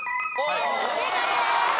正解です！